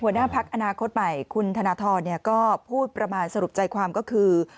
หัวหน้าพักอนาคตใหม่คุณธนทรก็พูดประมาณสรุปใจความก็คือ